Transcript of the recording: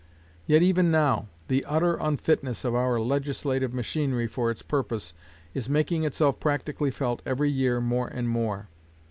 Yet even now, the utter unfitness of our legislative machinery for its purpose is making itself practically felt every year more and more.